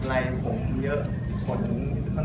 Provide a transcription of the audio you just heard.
ไล่ผมเยอะโดดเข็มก็เลยก็จะดูแล้ว